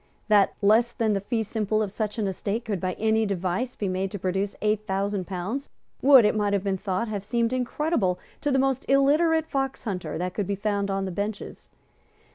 That less than the fee simple of such an estate could, by any device, be made to produce eight thousand pounds, would, it might have been thought, have seemed incredible to the most illiterate foxhunter that could be found on the benches.